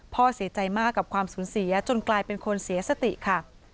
พ่อเสียใจมากกับความสูญเสียจนกลายเป็นคนเสียสติค่ะ